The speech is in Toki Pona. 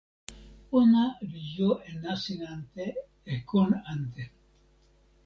ona li jo e nasin ante e kon ante.